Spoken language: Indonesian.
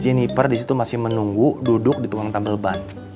jennieper di situ masih menunggu duduk di tukang tambal ban